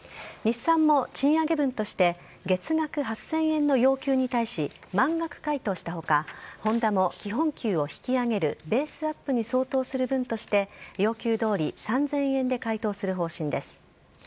日産も賃上げ分として、月額８０００円の要求に対し、満額回答したほか、ホンダも基本給を引き上げるベースアップに相当する分として、要求どおり３０００円で回答する方針です。